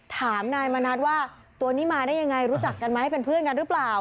ถามนายมณัฐว่าตัวนี้มาได้ยังไงรู้จักกันไหมเป็นเพื่อนกันหรือเปล่า